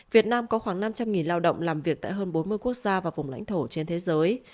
việt nam có khoảng năm trăm linh lao động làm việc tại hơn bốn mươi quốc gia và vùng lãnh thổ trên thế giới